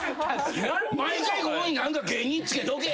毎回ここに芸人つけとけ。